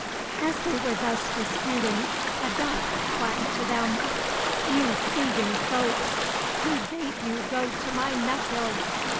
As they were thus disputing, a duck quacked to them, "You thieving folks, who bade you go to my nut hill?